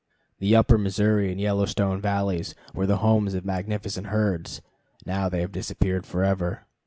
The Upper Missouri and Yellowstone valleys were the homes of magnificent herds; now they have disappeared forever.